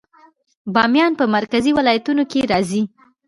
بامیان په مرکزي ولایتونو کې راځي